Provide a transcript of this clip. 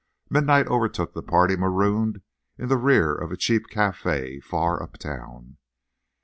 Midnight overtook the party marooned in the rear of a cheap café far uptown.